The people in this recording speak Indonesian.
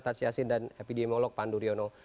tats yassin dan epidemiolog pandu riono